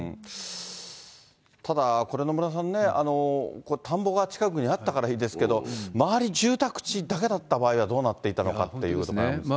ただこれ、野村さんね、田んぼが近くにあったからいいですけど、周り住宅地だけだった場合は、どうなっていたのかっていうこともあるんですね。